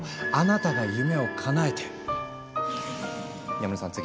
山根さん次！